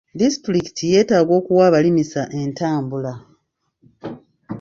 Disitulikiti yeetaaga okuwa abalimisa entambula.